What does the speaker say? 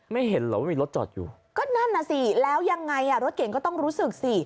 เห็นเหรอว่ามีรถจอดอยู่ก็นั่นน่ะสิแล้วยังไงอ่ะรถเก่งก็ต้องรู้สึกสิ